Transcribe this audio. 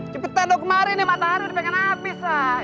cepetan dong kemarin ya matahari udah di pinggan habis lah